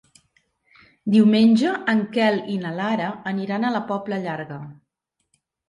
Diumenge en Quel i na Lara aniran a la Pobla Llarga.